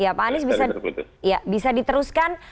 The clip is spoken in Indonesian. ya pak anies bisa diteruskan